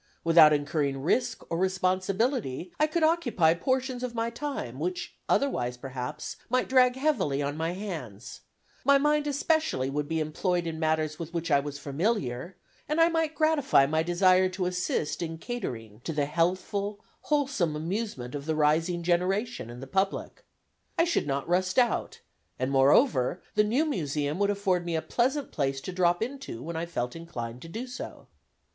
Without incurring risk or responsibility, I could occupy portions of my time, which otherwise, perhaps, might drag heavily on my hands; my mind especially would be employed in matters with which I was familiar, and I might gratify my desire to assist in catering to the healthful, wholesome amusement of the rising generation and the public. I should not rust out; and, moreover, the new museum would afford me a pleasant place to drop into when I felt inclined to do so.